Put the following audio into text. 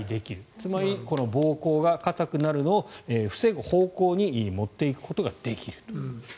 つまり、膀胱が硬くなるのを防ぐ方向に持っていくことができる。